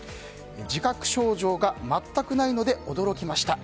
自覚症状が全くないので驚きました。